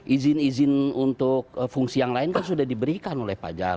izin izin untuk fungsi yang lain kan sudah diberikan oleh pajar